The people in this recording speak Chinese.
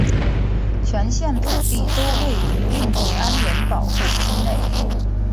全县土地都位于印地安人保护区内。